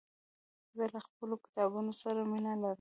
زه له خپلو کتابونو سره مينه لرم.